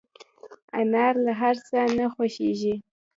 انا له هر څه نه خوښيږي